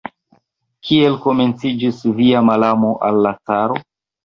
Kiel komenciĝis via malamo al la caro?